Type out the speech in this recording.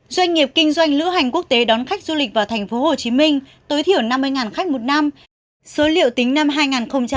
doanh nghiệp kinh doanh lữ hành quốc tế đón khách du lịch vào tp hcm tối thiểu năm mươi khách một năm số liệu tính năm hai nghìn hai mươi